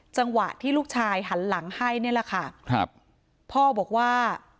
จังหวะที่ลูกชายหันหลังให้นี่แหละค่ะครับพ่อบอกว่า